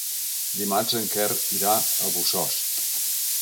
Dimarts en Quer irà a Bossòst.